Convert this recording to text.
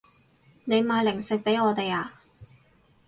你買零食畀我哋啊